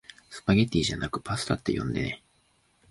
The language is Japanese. スパゲティじゃなくパスタって呼んでね